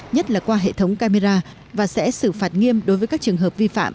nhất là qua hệ thống camera và sẽ xử phạt nghiêm đối với các trường hợp vi phạm